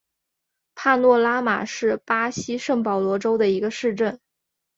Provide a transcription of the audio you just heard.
帕诺拉马是巴西圣保罗州的一个市镇。